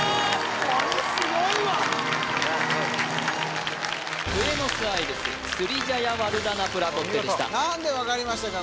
これすごいわブエノスアイレススリ・ジャヤワルダナプラ・コッテでした何で分かりましたか？